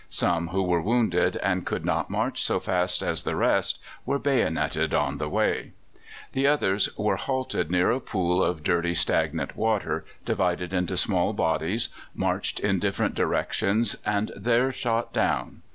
Some who were wounded and could not march so fast as the rest were bayonetted on the way. The others were halted near a pool of dirty, stagnant water, divided into small bodies, marched in different directions, and there shot down.